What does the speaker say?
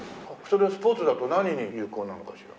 それはスポーツだと何に有効なのかしら？